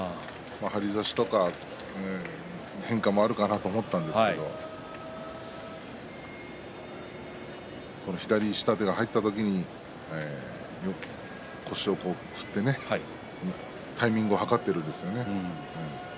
張り差しとか変化もあるかなと思ったんですけどこの左下手が入った時に腰を振ってタイミングを計っているんですよね。